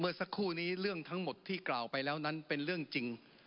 สักครู่นี้เรื่องทั้งหมดที่กล่าวไปแล้วนั้นเป็นเรื่องจริง